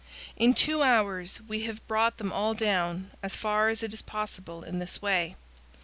In two hours we have brought them all down, as far as it is possible, in this way.